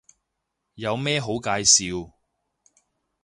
有咩好介紹